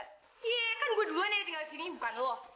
iya iya iya kan gue duluan yang tinggal di sini bukan lo